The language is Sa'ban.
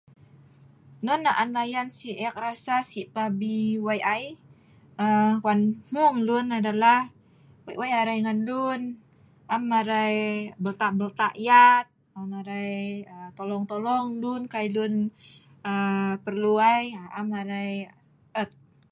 Non naan ayat si ek rasa si pelabi wei' ai, aa wan mung lun, adalah wei'-wei arai ngan lun, am arai belta-belta yat, an arai tolong-tolong lun, kai lun aa perlu ai, am arai et.